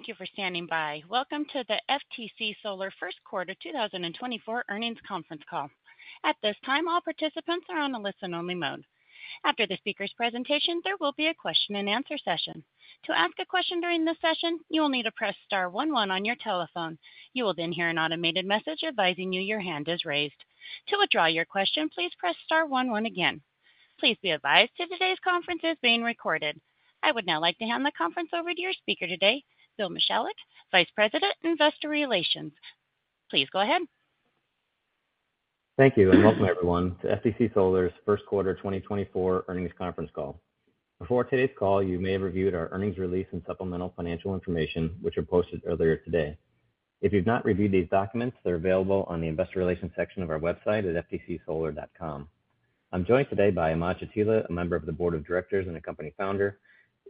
Thank you for standing by. Welcome to the FTC Solar First Quarter 2024 Earnings Conference Call. At this time, all participants are on a listen-only mode. After the speaker's presentation, there will be a question-and-answer session. To ask a question during this session, you will need to press star one one on your telephone. You will then hear an automated message advising you your hand is raised. To withdraw your question, please press star one one again. Please be advised today's conference is being recorded. I would now like to hand the conference over to your speaker today, Bill Michalek, Vice President, Investor Relations. Please go ahead. Thank you, and welcome, everyone, to FTC Solar's First Quarter 2024 Earnings Conference Call. Before today's call, you may have reviewed our earnings release and supplemental financial information, which were posted earlier today. If you've not reviewed these documents, they're available on the Investor Relations section of our website at ftcsolar.com. I'm joined today by Ahmad Chatila, a member of the Board of Directors and a company founder,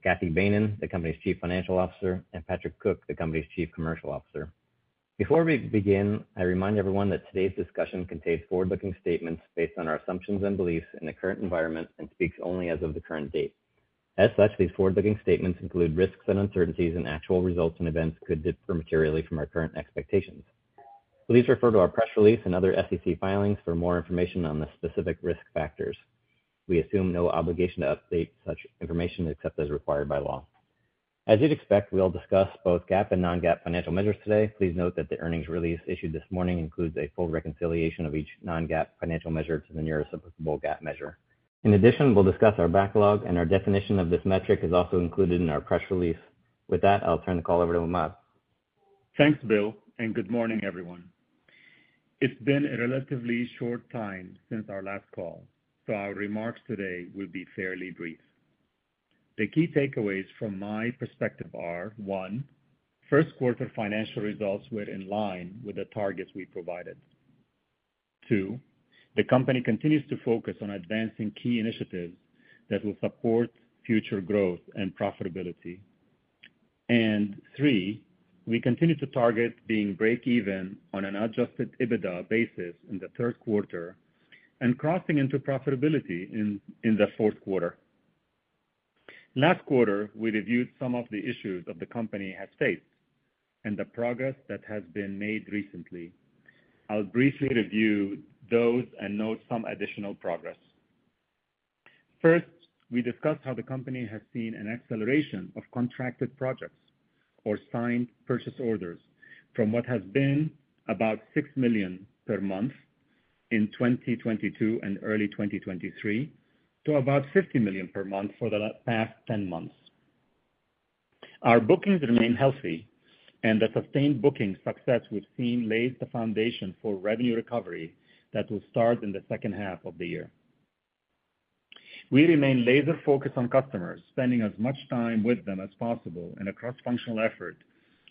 Cathy Behnen, the company's chief financial officer, and Patrick Cook, the company's chief commercial officer. Before we begin, I remind everyone that today's discussion contains forward-looking statements based on our assumptions and beliefs in the current environment and speaks only as of the current date. As such, these forward-looking statements include risks and uncertainties, and actual results and events could differ materially from our current expectations. Please refer to our press release and other SEC filings for more information on the specific risk factors. We assume no obligation to update such information, except as required by law. As you'd expect, we'll discuss both GAAP and non-GAAP financial measures today. Please note that the earnings release issued this morning includes a full reconciliation of each non-GAAP financial measure to the nearest applicable GAAP measure. In addition, we'll discuss our backlog, and our definition of this metric is also included in our press release. With that, I'll turn the call over to Ahmad. Thanks, Bill, and good morning, everyone. It's been a relatively short time since our last call, so our remarks today will be fairly brief. The key takeaways from my perspective are, one, first quarter financial results were in line with the targets we provided. Two, the company continues to focus on advancing key initiatives that will support future growth and profitability. And three, we continue to target being break even on an Adjusted EBITDA basis in the third quarter and crossing into profitability in the fourth quarter. Last quarter, we reviewed some of the issues that the company has faced and the progress that has been made recently. I'll briefly review those and note some additional progress. First, we discussed how the company has seen an acceleration of contracted projects or signed purchase orders from what has been about $6 million per month in 2022 and early 2023 to about $50 million per month for the last 10 months. Our bookings remain healthy, and the sustained booking success we've seen lays the foundation for revenue recovery that will start in the second half of the year. We remain laser focused on customers, spending as much time with them as possible in a cross-functional effort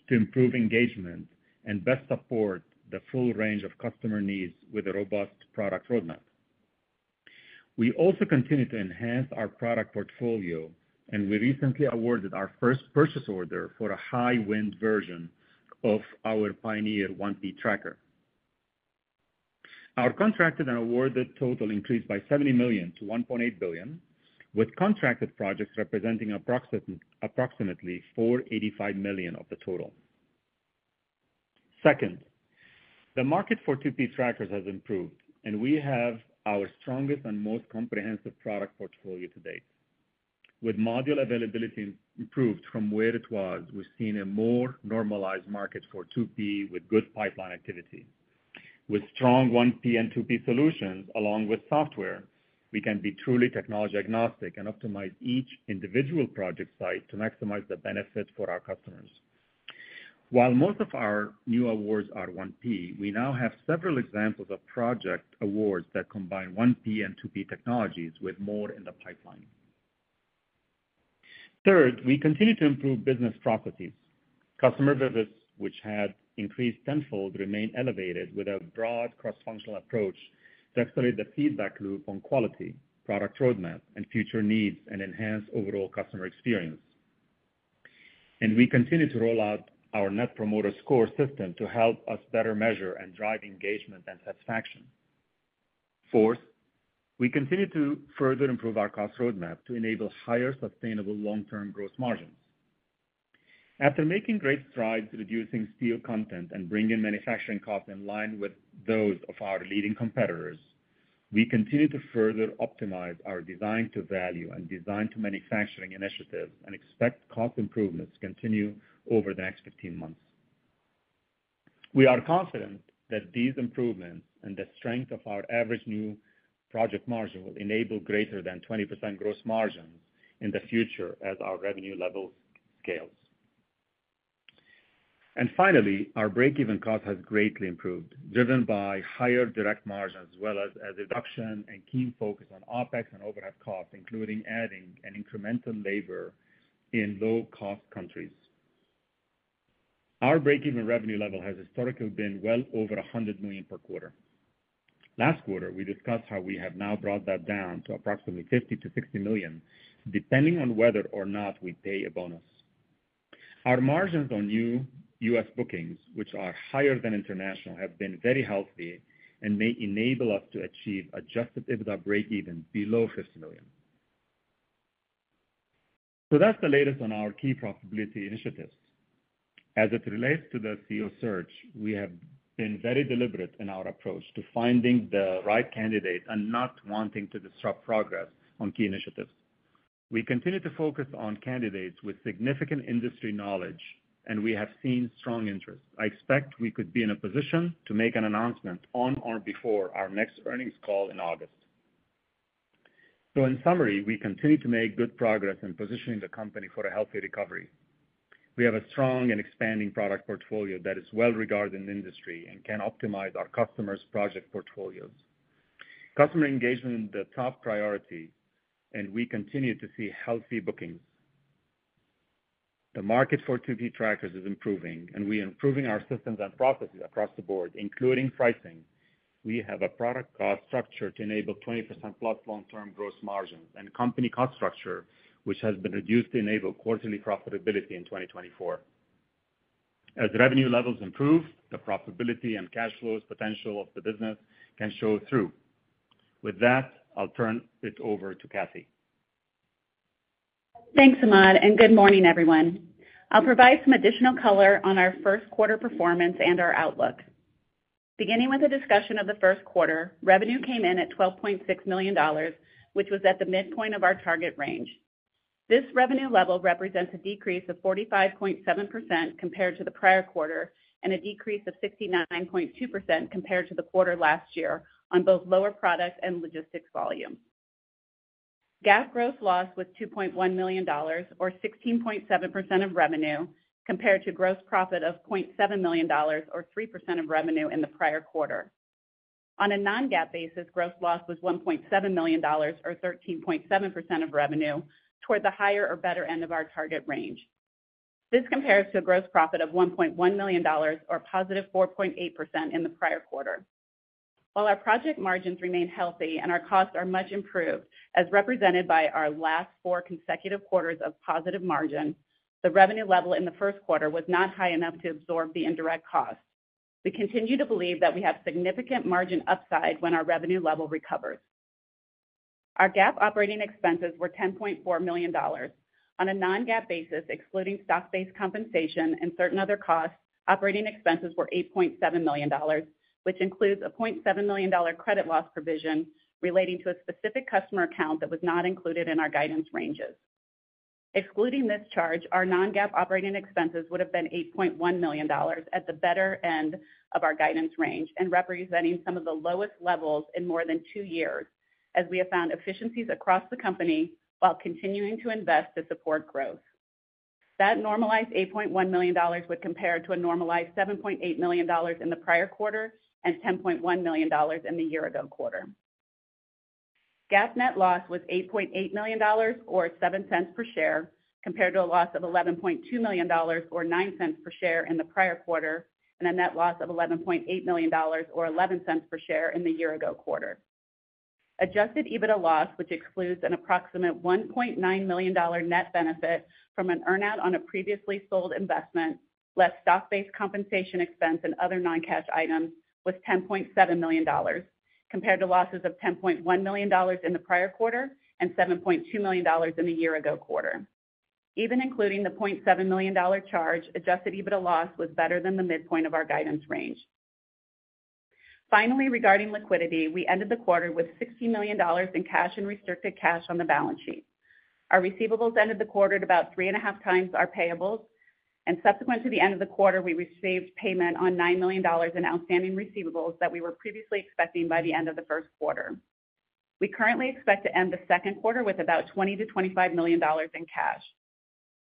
to improve engagement and best support the full range of customer needs with a robust product roadmap. We also continue to enhance our product portfolio, and we recently awarded our first purchase order for a high-wind version of our Pioneer 1P tracker. Our contracted and awarded total increased by $70 million to $1.8 billion, with contracted projects representing approximately $485 million of the total. Second, the market for 2P trackers has improved, and we have our strongest and most comprehensive product portfolio to date. With module availability improved from where it was, we've seen a more normalized market for 2P with good pipeline activity. With strong 1P and 2P solutions, along with software, we can be truly technology agnostic and optimize each individual project site to maximize the benefits for our customers. While most of our new awards are 1P, we now have several examples of project awards that combine 1P and 2P technologies with more in the pipeline. Third, we continue to improve business properties. Customer visits, which have increased tenfold, remain elevated with a broad cross-functional approach to accelerate the feedback loop on quality, product roadmap, and future needs, and enhance overall customer experience. And we continue to roll out our Net Promoter Score system to help us better measure and drive engagement and satisfaction. Fourth, we continue to further improve our cost roadmap to enable higher, sustainable long-term growth margins. After making great strides reducing steel content and bringing manufacturing costs in line with those of our leading competitors, we continue to further optimize our design to value and design to manufacturing initiatives and expect cost improvements to continue over the next 15 months. We are confident that these improvements and the strength of our average new project margin will enable greater than 20% gross margins in the future as our revenue level scales. Finally, our break-even cost has greatly improved, driven by higher direct margins, as well as a reduction and keen focus on OpEx and overhead costs, including adding an incremental labor in low-cost countries. Our break-even revenue level has historically been well over $100 million per quarter. Last quarter, we discussed how we have now brought that down to approximately $50 million-$60 million, depending on whether or not we pay a bonus. Our margins on new U.S. bookings, which are higher than international, have been very healthy and may enable us to achieve Adjusted EBITDA break even below $50 million. So that's the latest on our key profitability initiatives. As it relates to the CEO search, we have been very deliberate in our approach to finding the right candidate and not wanting to disrupt progress on key initiatives. We continue to focus on candidates with significant industry knowledge, and we have seen strong interest. I expect we could be in a position to make an announcement on or before our next earnings call in August. So in summary, we continue to make good progress in positioning the company for a healthy recovery. We have a strong and expanding product portfolio that is well-regarded in the industry and can optimize our customers' project portfolios. Customer engagement is the top priority, and we continue to see healthy bookings. The market for 2P trackers is improving, and we are improving our systems and processes across the board, including pricing. We have a product cost structure to enable 20%+ long-term gross margins and a company cost structure, which has been reduced to enable quarterly profitability in 2024. As revenue levels improve, the profitability and cash flows potential of the business can show through. With that, I'll turn it over to Cathy. Thanks, Ahmad, and good morning, everyone. I'll provide some additional color on our first quarter performance and our outlook. Beginning with a discussion of the first quarter, revenue came in at $12.6 million, which was at the midpoint of our target range. This revenue level represents a decrease of 45.7% compared to the prior quarter, and a decrease of 69.2% compared to the quarter last year on both lower product and logistics volume. GAAP gross loss was $2.1 million, or 16.7% of revenue, compared to gross profit of $0.7 million or 3% of revenue in the prior quarter. On a non-GAAP basis, gross loss was $1.7 million, or 13.7% of revenue, toward the higher or better end of our target range. This compares to a gross profit of $1.1 million or +4.8% in the prior quarter. While our project margins remain healthy and our costs are much improved, as represented by our last four consecutive quarters of positive margin, the revenue level in the first quarter was not high enough to absorb the indirect costs. We continue to believe that we have significant margin upside when our revenue level recovers. Our GAAP operating expenses were $10.4 million. On a non-GAAP basis, excluding stock-based compensation and certain other costs, operating expenses were $8.7 million, which includes a $0.7 million credit loss provision relating to a specific customer account that was not included in our guidance ranges. Excluding this charge, our non-GAAP operating expenses would have been $8.1 million at the better end of our guidance range and representing some of the lowest levels in more than two years, as we have found efficiencies across the company while continuing to invest to support growth. That normalized $8.1 million would compare to a normalized $7.8 million in the prior quarter and $10.1 million in the year-ago quarter. GAAP net loss was $8.8 million, or 7 cents per share, compared to a loss of $11.2 million, or 9 cents per share in the prior quarter, and a net loss of $11.8 million, or 11 cents per share in the year-ago quarter. Adjusted EBITDA loss, which excludes an approximate $1.9 million net benefit from an earn-out on a previously sold investment, less stock-based compensation expense and other non-cash items, was $10.7 million, compared to losses of $10.1 million in the prior quarter and $7.2 million in the year-ago quarter. Even including the $0.7 million charge, Adjusted EBITDA loss was better than the midpoint of our guidance range. Finally, regarding liquidity, we ended the quarter with $60 million in cash and restricted cash on the balance sheet. Our receivables ended the quarter at about 3.5x our payables, and subsequent to the end of the quarter, we received payment on $9 million in outstanding receivables that we were previously expecting by the end of the first quarter. We currently expect to end the second quarter with about $20 million-$25 million in cash.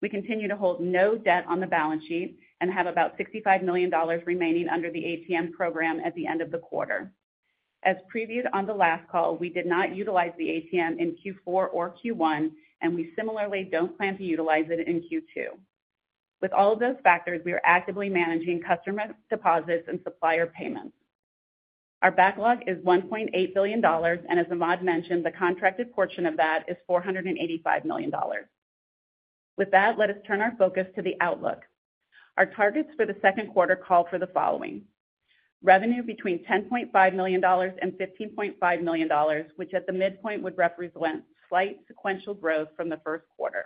We continue to hold no debt on the balance sheet and have about $65 million remaining under the ATM program at the end of the quarter. As previewed on the last call, we did not utilize the ATM in Q4 or Q1, and we similarly don't plan to utilize it in Q2. With all of those factors, we are actively managing customer deposits and supplier payments. Our backlog is $1.8 billion, and as Ahmad mentioned, the contracted portion of that is $485 million. With that, let us turn our focus to the outlook. Our targets for the second quarter call for the following: Revenue between $10.5 million and $15.5 million, which at the midpoint, would represent slight sequential growth from the first quarter.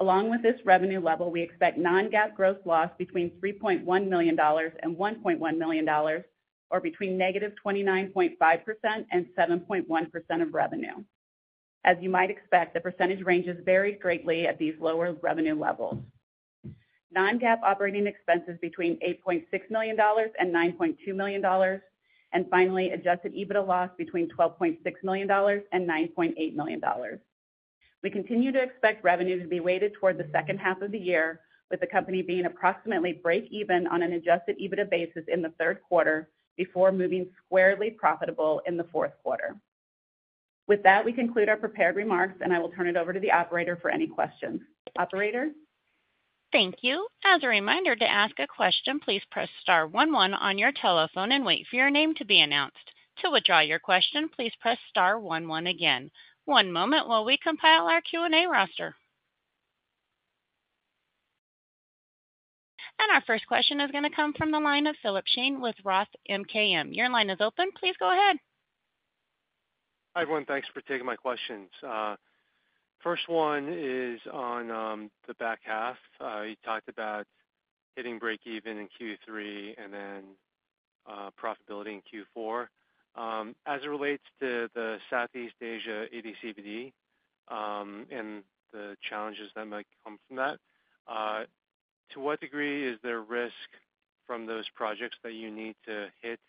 Along with this revenue level, we expect non-GAAP growth loss between $3.1 million and $1.1 million, or between -29.5% and 7.1% of revenue. As you might expect, the percentage ranges vary greatly at these lower revenue levels. Non-GAAP operating expenses between $8.6 million and $9.2 million, and finally, Adjusted EBITDA loss between $12.6 million and $9.8 million. We continue to expect revenue to be weighted toward the second half of the year, with the company being approximately break even on an Adjusted EBITDA basis in the third quarter before moving squarely profitable in the fourth quarter. With that, we conclude our prepared remarks, and I will turn it over to the operator for any questions. Operator? Thank you. As a reminder to ask a question, please press star one one on your telephone and wait for your name to be announced. To withdraw your question, please press star one one again. One moment while we compile our Q&A roster. Our first question is going to come from the line of Philip Shen with Roth MKM. Your line is open. Please go ahead. Hi, everyone. Thanks for taking my questions. First one is on the back half. You talked about hitting breakeven in Q3 and then profitability in Q4. As it relates to the Southeast Asia AD/CVD, and the challenges that might come from that, to what degree is there risk from those projects that you need to hit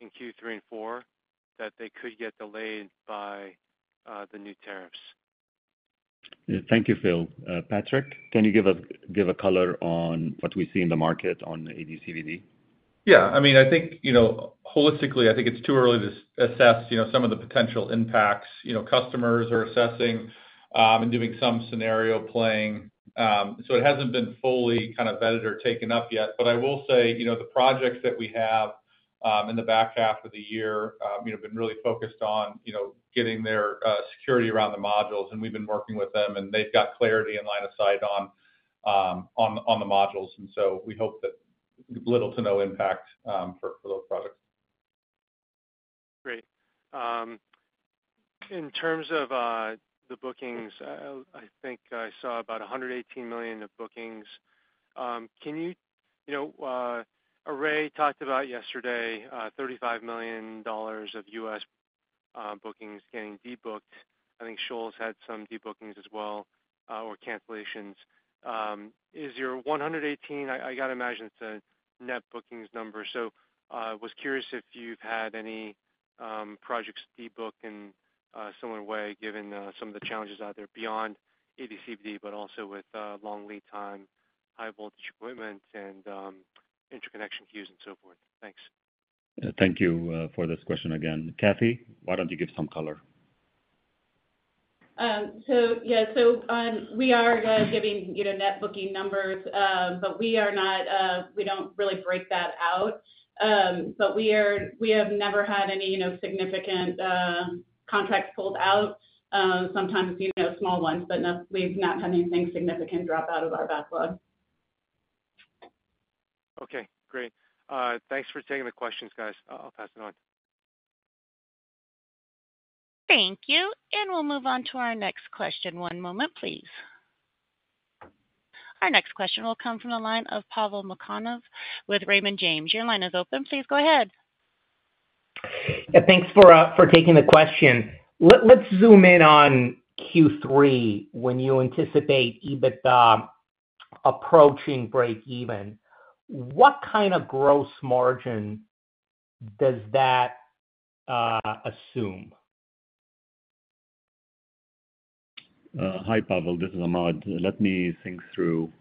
in Q3 and four, that they could get delayed by the new tariffs? Thank you, Phil. Patrick, can you give a color on what we see in the market on AD/CVD? Yeah, I mean, I think, you know, holistically, I think it's too early to assess, you know, some of the potential impacts. You know, customers are assessing, and doing some scenario playing. So it hasn't been fully kind of vetted or taken up yet. But I will say, you know, the projects that we have, in the back half of the year, you know, been really focused on, you know, getting their security around the modules, and we've been working with them, and they've got clarity and line of sight on, on the modules. And so we hope that little to no impact, for those projects. Great. In terms of the bookings, I think I saw about $118 million of bookings. Can you—you know, Array talked about yesterday, $35 million of U.S. bookings getting de-booked. I think Shoals had some de-bookings as well, or cancellations. Is your 118, I gotta imagine it's a net bookings number, so was curious if you've had any projects de-book in a similar way, given some of the challenges out there beyond AD/CVD, but also with long lead time, high voltage equipment, and interconnection queues and so forth. Thanks. Thank you, for this question again. Cathy, why don't you give some color? Yeah, so we are giving, you know, net booking numbers, but we are not; we don't really break that out. But we are. We have never had any, you know, significant contracts pulled out. Sometimes, you know, small ones, but not. We've not had anything significant drop out of our backlog. Okay, great. Thanks for taking the questions, guys. I'll pass it on. Thank you, and we'll move on to our next question. One moment, please. Our next question will come from the line of Pavel Molchanov with Raymond James. Your line is open. Please go ahead. Yeah, thanks for taking the question. Let's zoom in on Q3, when you anticipate EBITDA approaching breakeven. What kind of gross margin does that assume? Hi, Pavel. This is Ahmad. Let me think through.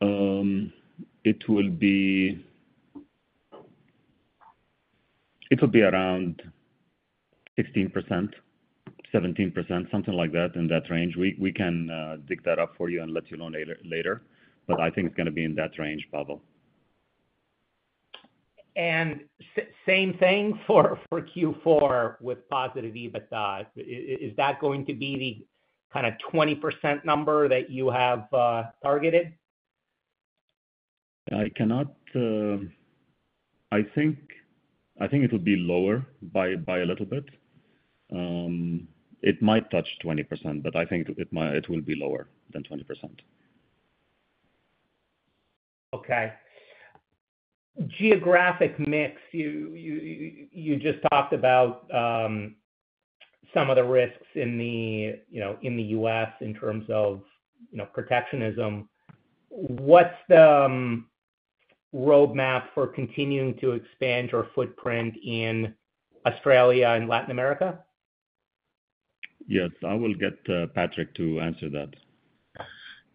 It will be... It will be around 16%-17%, something like that, in that range. We can dig that up for you and let you know later, but I think it's going to be in that range, Pavel. Same thing for Q4 with positive EBITDA. Is that going to be the kind of 20% number that you have targeted? I cannot. I think it'll be lower by a little bit. It might touch 20%, but I think it will be lower than 20%. Okay. Geographic mix, you just talked about some of the risks in the, you know, in the U.S. in terms of, you know, protectionism. What's the roadmap for continuing to expand your footprint in Australia and Latin America? Yes, I will get Patrick to answer that.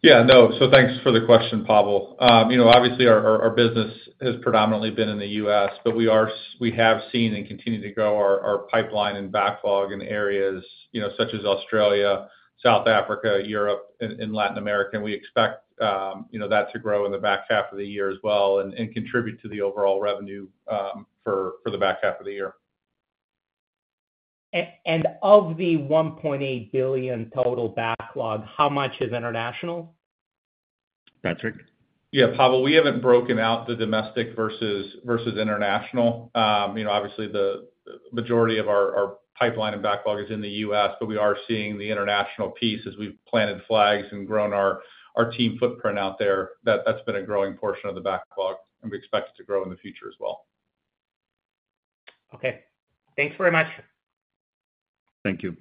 Yeah, no. So thanks for the question, Pavel. You know, obviously our business has predominantly been in the U.S., but we have seen and continue to grow our pipeline and backlog in areas, you know, such as Australia, South Africa, Europe, and Latin America. And we expect, you know, that to grow in the back half of the year as well and contribute to the overall revenue, for the back half of the year. And of the $1.8 billion total backlog, how much is international? Patrick? Yeah, Pavel, we haven't broken out the domestic versus international. You know, obviously the majority of our pipeline and backlog is in the U.S., but we are seeing the international piece as we've planted flags and grown our team footprint out there. That's been a growing portion of the backlog, and we expect it to grow in the future as well. Okay. Thanks very much. Thank you.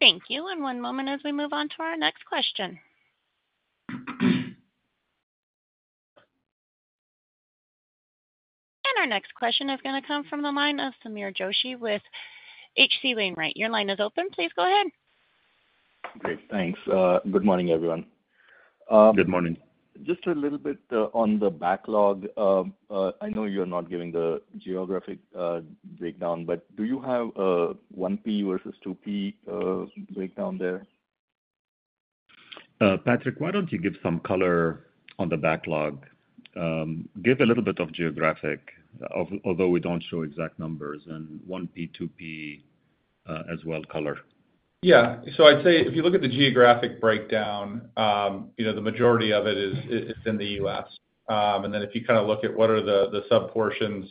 Thank you, and one moment as we move on to our next question. Our next question is gonna come from the line of Sameer Joshi with H.C. Wainwright. Your line is open. Please go ahead. Great. Thanks. Good morning, everyone. Good morning. Just a little bit on the backlog. I know you're not giving the geographic breakdown, but do you have 1P versus 2P breakdown there? Patrick, why don't you give some color on the backlog? Give a little bit of geographic, although we don't show exact numbers and 1P, 2P. As well, color? Yeah. So I'd say if you look at the geographic breakdown, you know, the majority of it is in the U.S. Then if you kind of look at what are the subportions,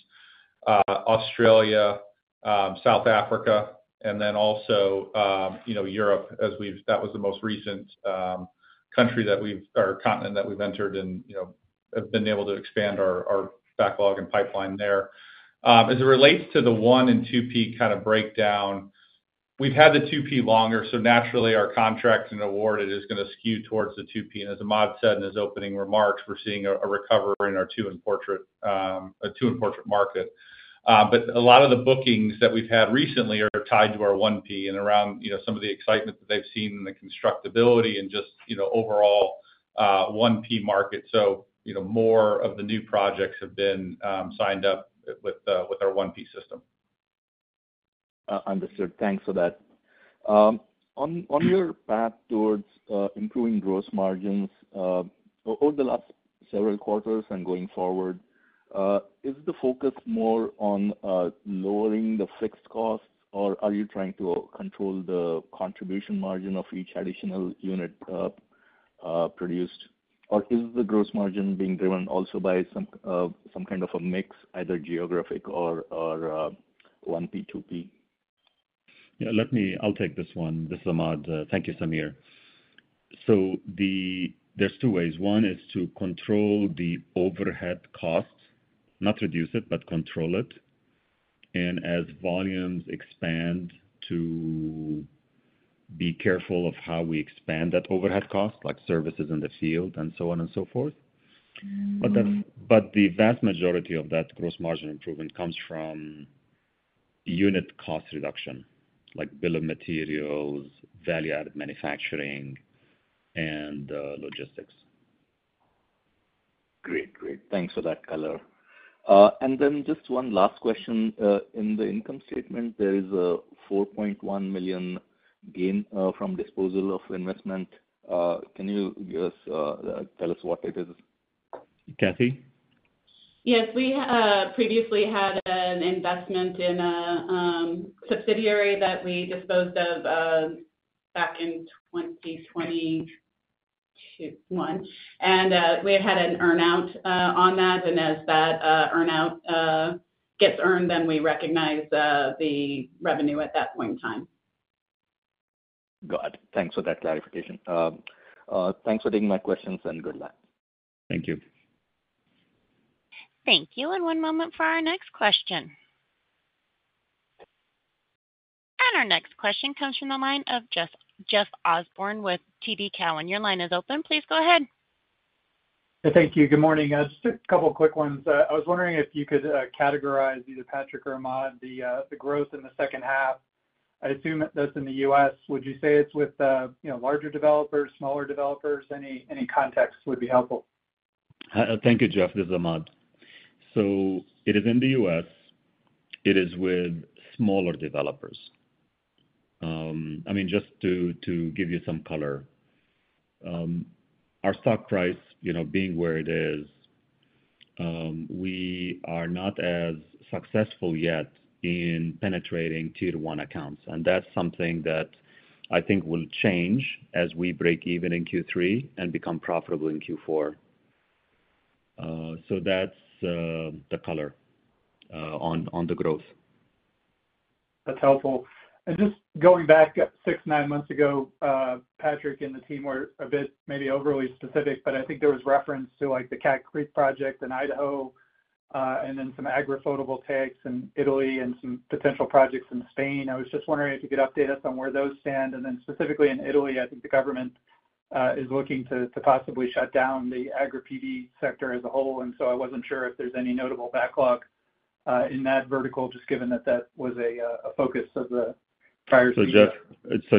Australia, South Africa, and then also, you know, Europe as we've. That was the most recent country that we've or continent that we've entered and, you know, have been able to expand our backlog and pipeline there. As it relates to the one and 2P kind of breakdown, we've had the 2P longer, so naturally, our contracts and awarded is gonna skew towards the 2P. As Ahmad said in his opening remarks, we're seeing a recovery in our two-in-portrait market. But a lot of the bookings that we've had recently are tied to our 1P and around, you know, some of the excitement that they've seen in the constructability and just, you know, overall, 1P market. So, you know, more of the new projects have been signed up with our 1P system. Understood. Thanks for that. On your path towards improving gross margins over the last several quarters and going forward, is the focus more on lowering the fixed costs, or are you trying to control the contribution margin of each additional unit produced? Or is the gross margin being driven also by some kind of a mix, either geographic or 1P, 2P? Yeah, let me. I'll take this one. This is Ahmad. Thank you, Samir. So the... There's two ways. One is to control the overhead costs, not reduce it, but control it. And as volumes expand, to be careful of how we expand that overhead cost, like services in the field and so on and so forth. But the vast majority of that gross margin improvement comes from unit cost reduction, like bill of materials, value-added manufacturing, and logistics. Great, great. Thanks for that color. And then just one last question. In the income statement, there is a $4.1 million gain from disposal of investment. Can you give us, tell us what it is? Cathy? Yes, we previously had an investment in a subsidiary that we disposed of back in 2021, and we had an earn-out on that. And as that earn-out gets earned, then we recognize the revenue at that point in time. Got it. Thanks for that clarification. Thanks for taking my questions, and good luck. Thank you. Thank you, and one moment for our next question. Our next question comes from the line of Jeff Osborne with TD Cowen. Your line is open. Please go ahead. Thank you. Good morning. Just a couple quick ones. I was wondering if you could categorize, either Patrick or Ahmad, the growth in the second half. I assume that's in the U.S. Would you say it's with, you know, larger developers, smaller developers? Any context would be helpful. Thank you, Jeff. This is Ahmad. So it is in the U.S. It is with smaller developers. I mean, just to give you some color, our stock price, you know, being where it is, we are not as successful yet in penetrating 2 to 1 accounts, and that's something that I think will change as we break even in Q3 and become profitable in Q4. So that's the color on the growth. That's helpful. Just going back six-nine months ago, Patrick and the team were a bit maybe overly specific, but I think there was reference to, like, the Cat Creek project in Idaho, and then some agri-photovoltaics in Italy and some potential projects in Spain. I was just wondering if you could update us on where those stand. And then specifically in Italy, I think the government is looking to, to possibly shut down the agri PV sector as a whole, and so I wasn't sure if there's any notable backlog in that vertical, just given that that was a focus of the prior- So,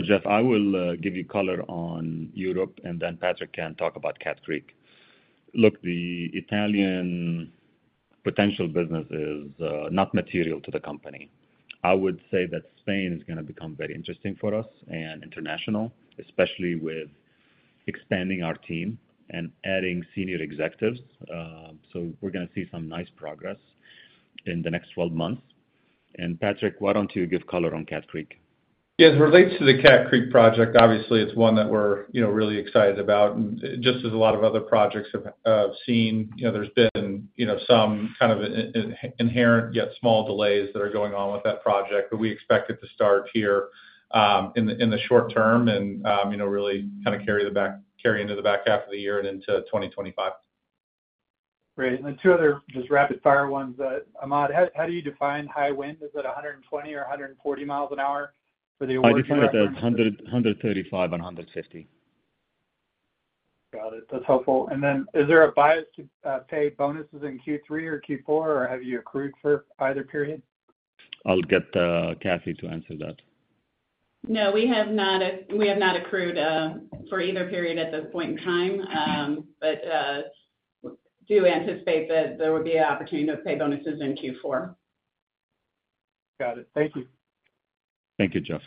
Jeff, I will give you color on Europe, and then Patrick can talk about Cat Creek. Look, the Italian potential business is not material to the company. I would say that Spain is gonna become very interesting for us and international, especially with expanding our team and adding senior executives. So we're gonna see some nice progress in the next 12 months. And Patrick, why don't you give color on Cat Creek? Yeah, as it relates to the Cat Creek project, obviously, it's one that we're, you know, really excited about. And just as a lot of other projects have seen, you know, there's been, you know, some kind of inherent, yet small delays that are going on with that project. But we expect it to start here in the short term and, you know, really kind of carry into the back half of the year and into 2025. Great. Then two other just rapid fire ones. Ahmad, how do you define high wind? Is it 120 or 140 miles an hour for the- I define it as 100, 135 and 150. Got it. That's helpful. And then, is there a bias to pay bonuses in Q3 or Q4, or have you accrued for either period? I'll get Cathy to answer that. No, we have not. We have not accrued for either period at this point in time. But do anticipate that there would be an opportunity to pay bonuses in Q4. Got it. Thank you. Thank you, Jeff.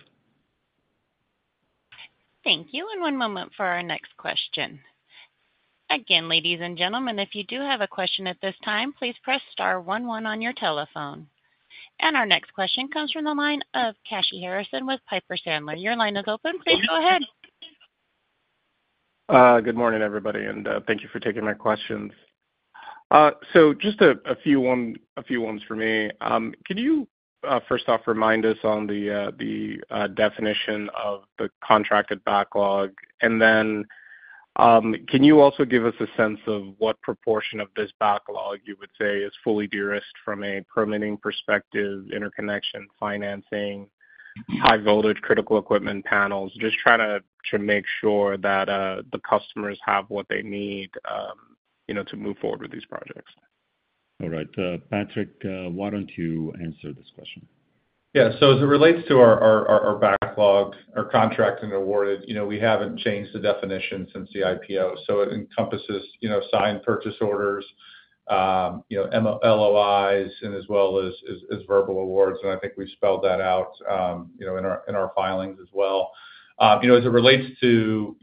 Thank you, and one moment for our next question. Again, ladies and gentlemen, if you do have a question at this time, please press star one one on your telephone. Our next question comes from the line of Kashy Harrison with Piper Sandler. Your line is open. Please go ahead. Good morning, everybody, and thank you for taking my questions. So just a few ones for me. Can you first off remind us on the definition of the contracted backlog? And then can you also give us a sense of what proportion of this backlog you would say is fully de-risked from a permitting perspective, interconnection, financing, high-voltage critical equipment panels? Just trying to make sure that the customers have what they need, you know, to move forward with these projects. All right. Patrick, why don't you answer this question? Yeah. So as it relates to our backlog, our contract and awarded, you know, we haven't changed the definition since the IPO. So it encompasses, you know, signed purchase orders, you know, MOU, LOIs, and as well as verbal awards, and I think we've spelled that out, you know, in our filings as well. As it relates to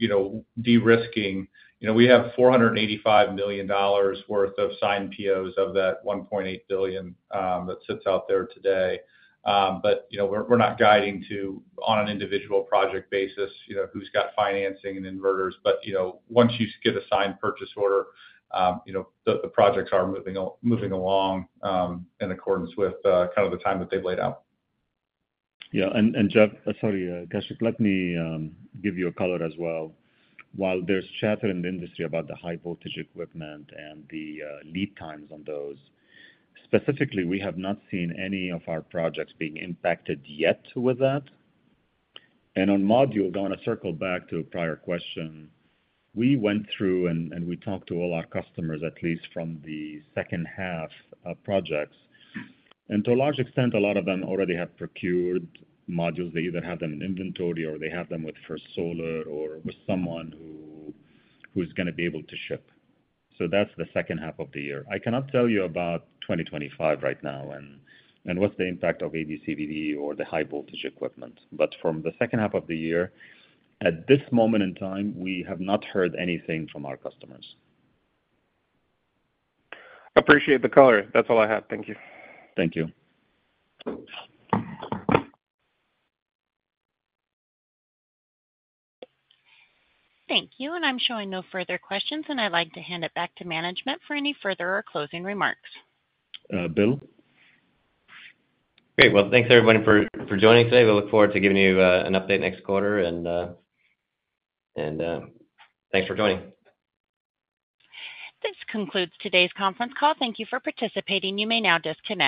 de-risking, you know, we have $485 million worth of signed POs of that $1.8 billion that sits out there today. But, you know, we're not guiding to, on an individual project basis, you know, who's got financing and inverters. You know, once you get a signed purchase order, you know, the projects are moving along in accordance with kind of the time that they've laid out. Yeah, and Jeff... Sorry, Kashy, let me give you a color as well. While there's chatter in the industry about the high-voltage equipment and the lead times on those, specifically, we have not seen any of our projects being impacted yet with that. And on module, I wanna circle back to a prior question. We went through and we talked to all our customers, at least from the second half of projects, and to a large extent, a lot of them already have procured modules. They either have them in inventory, or they have them with First Solar or with someone who's gonna be able to ship. So that's the second half of the year. I cannot tell you about 2025 right now and what's the impact of AD/CVD or the high-voltage equipment. From the second half of the year, at this moment in time, we have not heard anything from our customers. Appreciate the color. That's all I have. Thank you. Thank you. Thank you, and I'm showing no further questions, and I'd like to hand it back to management for any further or closing remarks. Uh, Bill? Great. Well, thanks, everybody, for joining today. We look forward to giving you an update next quarter, and, and thanks for joining. This concludes today's conference call. Thank you for participating. You may now disconnect.